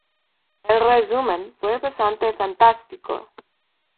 En resumen, fue bastante fantástico".